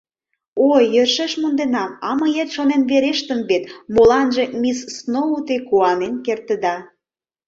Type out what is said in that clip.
— Ой, йӧршеш монденам, а мыет шонен верештым вет, моланже, мисс Сноу, те куанен кертыда!